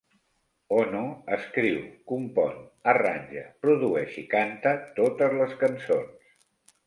Ono escriu, compon, arranja, produeix i canta totes les cançons.